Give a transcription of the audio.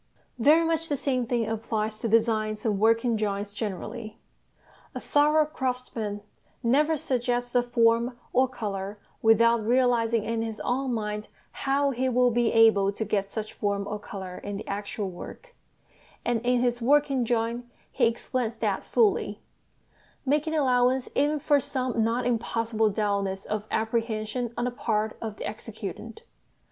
Very much the same thing applies to designs and working drawings generally. A thorough craftsman never suggests a form or colour without realising in his own mind how he will be able to get such form or colour in the actual work; and in his working drawing he explains that fully, making allowance even for some not impossible dulness of apprehension on the part of the executant.